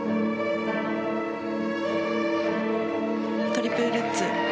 トリプルルッツ。